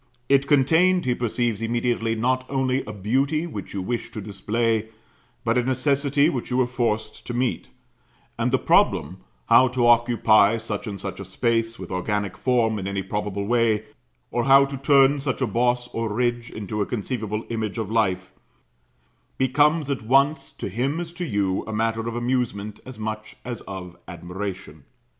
It contained, he perceives immediately, not only a beauty which you wished to display, but a necessity which you were forced to meet; and the problem, how to occupy such and such a space with organic form in any probable way, or how to turn such a boss or ridge into a conceivable image of life, becomes at once, to him as to you, a matter of amusement as much as of admiration.